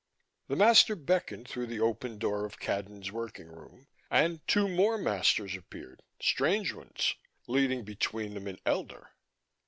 The master beckoned through the open door of Cadnan's working room, and two more masters appeared, strange ones, leading between them an elder.